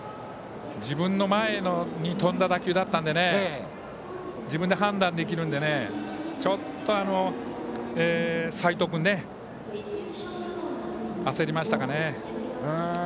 自分の前に飛んだ打球だったので自分で判断できるのでちょっと齋藤君、焦りましたかね。